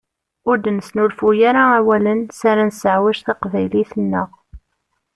Ur d-nesnulfuy ara awalen s ara nesseɛwej taqbaylit-nneɣ.